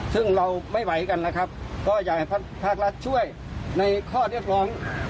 ซึ่งเราไม่ไหวกันนะครับก็อยากให้ภาครัฐช่วยในข้อเรียกร้อง